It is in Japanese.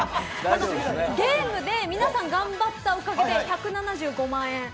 ゲームで皆さん頑張ったおかげで１７５万円。